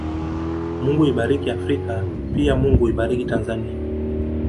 Mungu ibariki Afrika pia Mungu ibariki Tanzania